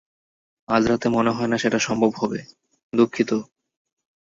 আজ রাতে মনে হয় না সেটা সম্ভব হবে, দুঃখিত!